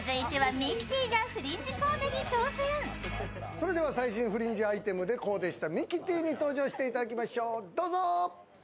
それでは最新フリンジアイテムでコーデしたミキティに登場していただきましょう、どうぞ。